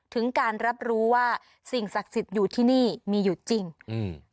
ถึงการรับรู้ว่าสิ่งศักดิ์สิทธิ์อยู่ที่นี่มีอยู่จริงอืม